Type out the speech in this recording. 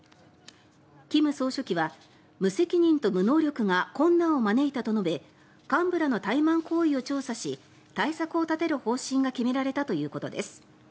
金総書記は無責任と無能力が困難を招いたと述べ幹部らの怠慢行為を調査し対策を立てる方針が決められたということです。